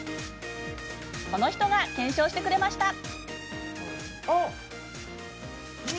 この人が検証してくれました。